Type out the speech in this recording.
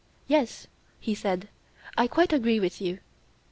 Yes, he said, I quite agree with you.